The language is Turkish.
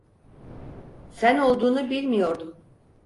Sen olduğunu bilmiyordum.